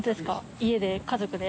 家で家族で？